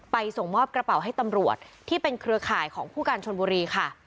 ส่งมอบกระเป๋าให้ตำรวจที่เป็นเครือข่ายของผู้การชนบุรีค่ะ